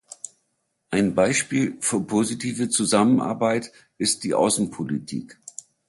Ein Beispiel für positive Zusammenarbeit ist die Außenpolitik.